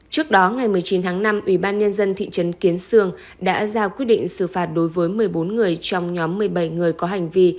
trước đó ngày một mươi chín tháng năm ubnd thị trấn kiến sương đã ra quyết định xử phạt đối với một mươi bốn người trong nhóm một mươi bảy người có hành vi